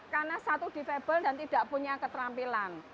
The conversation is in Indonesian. karena satu disabled dan tidak punya keterampilan